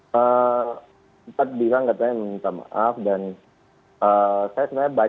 seperti bilang katanya minta maaf dan saya sebenarnya baca dari status ayahnya ya di rumah sakit